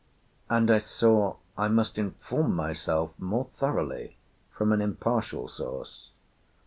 And I saw I must inform myself more thoroughly from an impartial source.